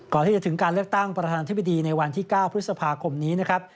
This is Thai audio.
ก่อนที่จะถึงการเลือกตั้งประธานธิบดีในวันที่๙พฤษภาคมนี้นะครับ